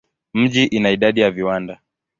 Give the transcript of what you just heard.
Mji ina idadi ya viwanda.